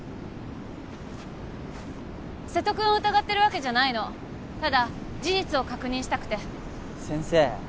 瀬戸くんを疑ってるわけじゃないのただ事実を確認したくて先生